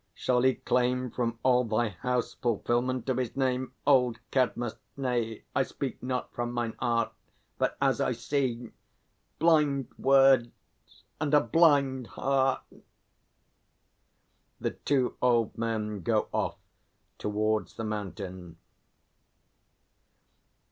Shall he claim From all thy house fulfilment of his name, Old Cadmus? Nay, I speak not from mine art, But as I see blind words and a blind heart! [_The two Old Men go off towards the Mountain.